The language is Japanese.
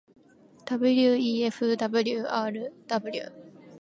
wefwrw